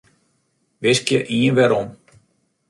Wiskje ien werom.